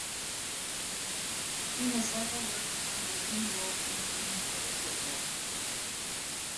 She has several works on Virginia Woolf and the Bloomsbury Circle.